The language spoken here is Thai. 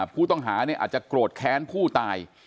ผู้ต้องหาอาจจะโกรธแค้นผู้ตาย